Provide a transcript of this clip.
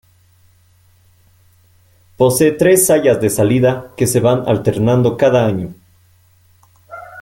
Posee tres sayas de salida que se van alternando cada año.